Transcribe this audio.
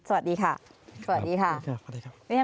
สวัสดีค่ะสวัสดีค่ะสวัสดีครับสวัสดีครับ